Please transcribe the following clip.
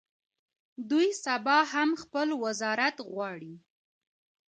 دوی سبا هم خپل وزارت غواړي.